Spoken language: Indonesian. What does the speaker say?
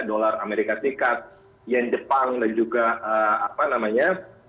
dolar amerika serikat yen jepang dan juga apa namanya